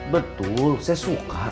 betul saya suka